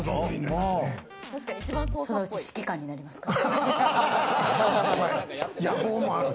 そのうち指揮官になりますから。